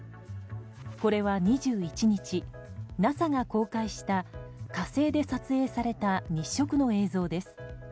これは２１日ＮＡＳＡが公開した火星で撮影された日食の映像です。